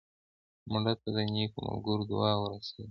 مړه ته د نیکو ملګرو دعا ورسېږي